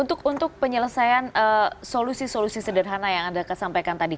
untuk penyelesaian solusi solusi sederhana yang anda sampaikan tadi